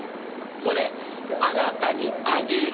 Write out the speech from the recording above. これあなたにあげる。